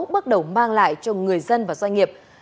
bước đầu mang lại cho người dân và doanh nghiệp